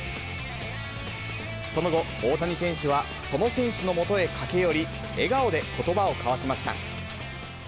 その後、大谷選手はその選手のもとへ駆け寄り、笑顔でことばを交わしました。